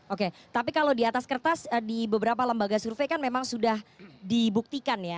oke tapi kalau di atas kertas di beberapa lembaga survei kan memang sudah dibuktikan ya